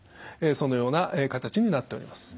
そのような形になっております。